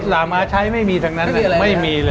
รถหลาม้าใช้ไม่มีทางนั้นไม่มีเลย